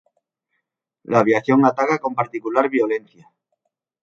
La aviación ataca con particular violencia.